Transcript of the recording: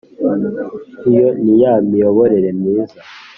iyo ni ya miyoborere myiza